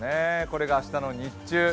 これが明日の日中。